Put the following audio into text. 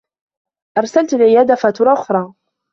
أرسلت العيادة فاتورة أخرى.